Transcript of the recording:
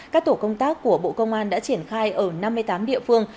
các tổ công tác của bộ công an đã triển khai ở năm mươi tám địa phương